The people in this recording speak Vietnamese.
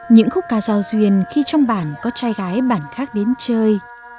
những khúc ca giao duyên khi trong bản có trai gái bản khác đến chơi